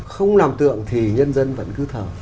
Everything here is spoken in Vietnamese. không làm tượng thì nhân dân vẫn cứ thờ